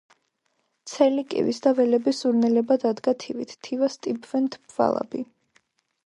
ცელი კივის და ველები სურნელება დადგა თივით, თივას ტიბვენ თბვალაბი .